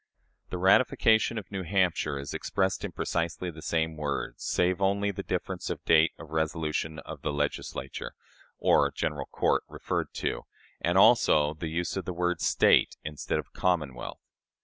The ratification of New Hampshire is expressed in precisely the same words, save only the difference of date of the resolution of the Legislature (or "General Court") referred to, and also the use of the word "State" instead of "Commonwealth."